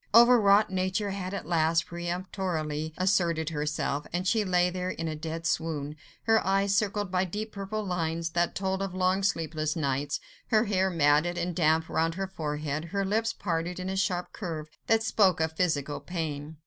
Overwrought nature had at last peremptorily asserted herself, and she lay there in a dead swoon: her eyes circled by deep purple lines, that told of long, sleepless nights, her hair matted and damp round her forehead, her lips parted in a sharp curve that spoke of physical pain.